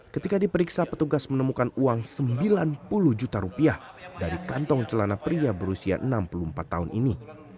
ketika diperiksa petugas menemukan uang sembilan puluh juta rupiah dari kantong celana pria berusia enam puluh empat tahun ini